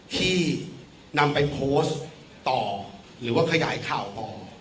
ที่นำไปโพสต์ต่อหรือว่าขยายข่าวต่อ